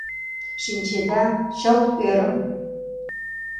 Шинчеда, чылт ӧрым —